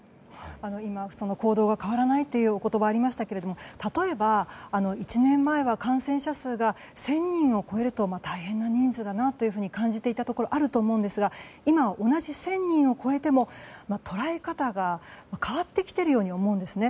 今、行動が変わらないというお言葉がありましたけれども例えば、１年前は感染者数が１０００人を超えると大変な人数だなと感じていたところがあると思うんですが今、同じ１０００人を超えても捉え方が変わってきているように思うんですね。